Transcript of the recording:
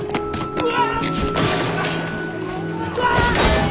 うわ！